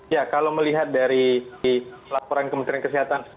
ya kalau melihat dari laporan kementerian kesehatan